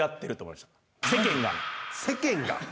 世間が？